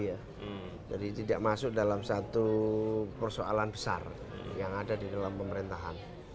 jadi tidak masuk dalam satu persoalan besar yang ada di dalam pemerintahan